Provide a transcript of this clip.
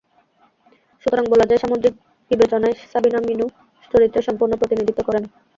সুতরাং বলা যায়, সামগ্রিক বিবেচনায় সাবিনা মিনু চরিত্রের সম্পূর্ণ প্রতিনিধিত্ব করে না।